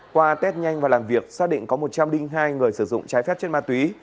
qua test nhanh và làm việc xác định có một trăm linh hai người sử dụng trái phép chất ma túy